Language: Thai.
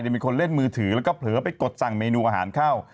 มีคนเล่นมือถือแล้วก็เผลอไปกดสั่งเมนูอาหารเข้า